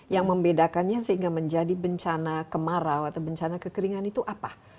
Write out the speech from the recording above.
yang membedakannya sehingga menjadi bencana kemarau atau bencana kekeringan itu apa